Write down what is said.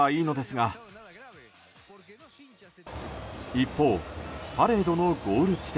一方、パレードのゴール地点